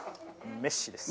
メッシです。